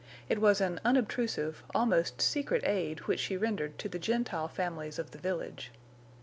It was an unobtrusive, almost secret aid which she rendered to the Gentile families of the village.